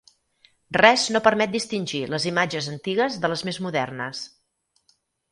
Res no permet distingir les imatges antigues de les més modernes.